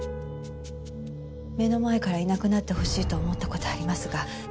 目の前からいなくなってほしいと思った事はありますが。